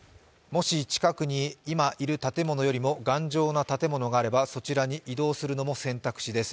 もし、近くに、今いる建物よりも頑丈な建物があれば、そちらに移動するのも選択肢です。